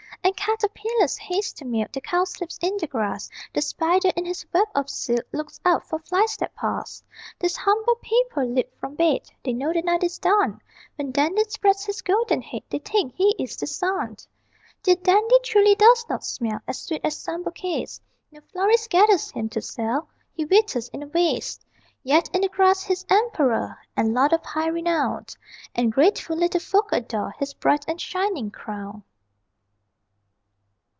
And caterpillars haste to milk The cowslips in the grass; The spider, in his web of silk, Looks out for flies that pass. These humble people leap from bed, They know the night is done: When Dandy spreads his golden head They think he is the sun! Dear Dandy truly does not smell As sweet as some bouquets; No florist gathers him to sell, He withers in a vase; Yet in the grass he's emperor, And lord of high renown; And grateful little folk adore His bright and shining crown.